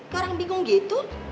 ke orang bingung gitu